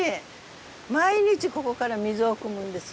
毎日ここから水をくむんですよ。